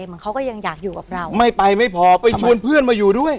เหมือนเขาก็ยังอยากอยู่กับเราไม่ไปไม่พอไปชวนเพื่อนมาอยู่ด้วย